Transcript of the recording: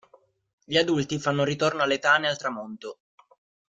Gli adulti fanno ritorno alle tane al tramonto.